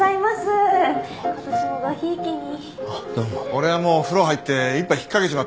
俺はもう風呂入って一杯ひっかけちまったぞ。